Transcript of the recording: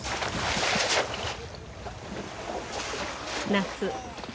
夏。